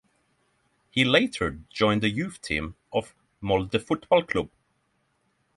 He later joined the youth team of Molde Fotballklubb.